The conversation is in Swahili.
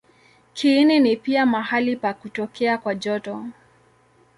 Kiini ni pia mahali pa kutokea kwa joto.